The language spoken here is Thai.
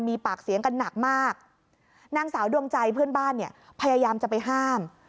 มีปากเสียงกันหนักมากนางสาวดวงใจเพื่อนบ้านเนี่ยพยายามจะไปห้าม